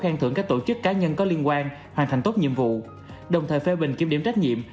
khen thưởng các tổ chức cá nhân có liên quan hoàn thành tốt nhiệm vụ đồng thời phê bình kiểm điểm trách nhiệm